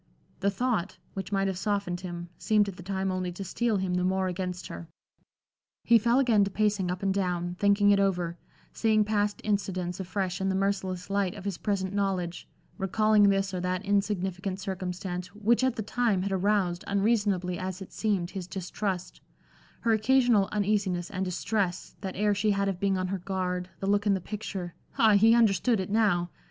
The thought, which might have softened him, seemed at the time only to steel him the more against her. He fell again to pacing up and down, thinking it over; seeing past incidents afresh in the merciless light of his present knowledge; recalling this or that insignificant circumstance which at the time had aroused, unreasonably as it seemed, his distrust; her occasional uneasiness and distress, that air she had of being on her guard, the look in the picture ah, he understood it now!